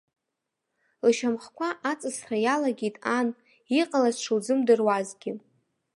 Лшьамхқәа аҵысра иалагеит ан, иҟалаз шылзымдыруазгьы.